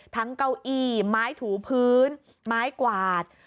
เก้าอี้ไม้ถูพื้นไม้กวาด